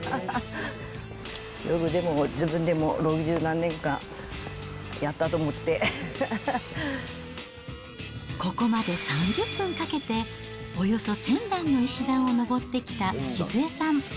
よくでも、自分でも、ここまで３０分かけて、およそ１０００段の石段を上ってきた静恵さん。